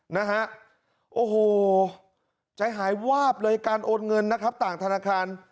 นะฮะโอ้โหใจหายวาบเลยการโอนเงินนะครับต่างธนาคาร